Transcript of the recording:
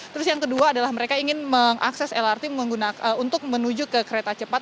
terus yang kedua adalah mereka ingin mengakses lrt untuk menuju ke kereta cepat